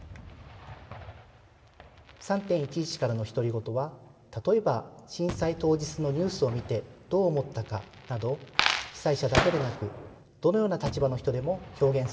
「３．１１からの独り言」は例えば震災当日のニュースを見てどう思ったかなど被災者だけでなくどのような立場の人でも表現することができます。